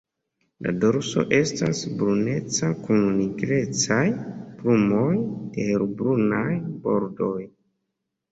La dorso estas bruneca kun nigrecaj plumoj de helbrunaj bordoj.